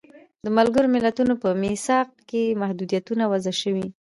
د ملګرو ملتونو په میثاق کې محدودیتونه وضع شوي.